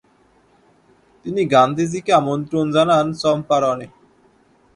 তিনি গান্ধিজী কে আমন্ত্রন জানান চম্পারণে।